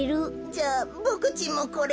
じゃあボクちんもこれ。